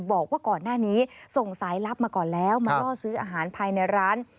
บอกว่าก่อนหน้านี้ส่งสายลับมาก่อนแล้วมาล่อซื้ออาหารภายในร้าน